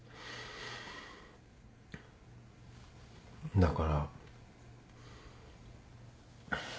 だから。